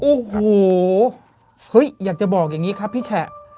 โอ้โหเฮ้ยอยากจะบอกอย่างนี้ครับพี่แฉะ